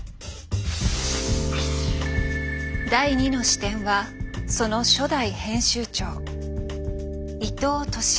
第２の視点はその初代編集長伊藤寿男。